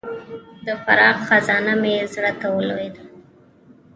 د فراق خزانه مې زړه ته ولوېده.